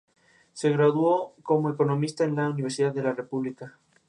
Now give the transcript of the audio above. Se graduó como economista en la Universidad de la República.